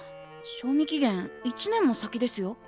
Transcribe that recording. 賞味期限１年も先ですよ。